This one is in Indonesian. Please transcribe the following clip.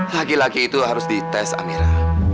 laki laki itu harus dites amira